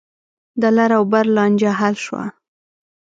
د لر او بر لانجه حل شوه.